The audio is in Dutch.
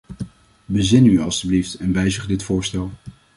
Bezin u alstublieft, en wijzig dit voorstel.